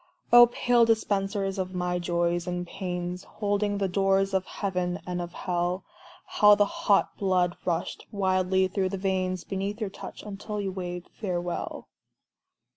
Oh, pale dispensers of my Joys and Pains, Holding the doors of Heaven and of Hell, How the hot blood rushed wildly through the veins Beneath your touch, until you waved farewell.